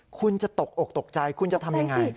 คุณจะตกอกตกใจคุณจะทำยังไง